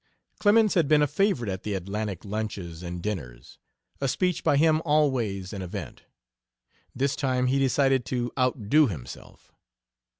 Clemens had been a favorite at the Atlantic lunches and dinners a speech by him always an event. This time he decided to outdo himself.